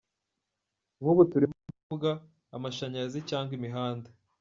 Nk’ubu turimo kuvuga amashanyarazi cyangwa imihanda.